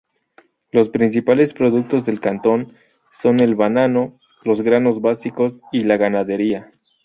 Los principales productos del cantón son el banano, las granos básicos, y la ganadería.